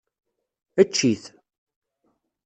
Ečč-it.